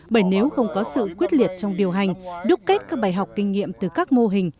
bởi nếu không có sự quyết liệt trong điều hành đúc kết các bài học kinh nghiệm từ các mô hình